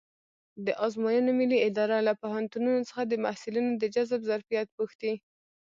د ازموینو ملي اداره له پوهنتونونو څخه د محصلینو د جذب ظرفیت پوښتي.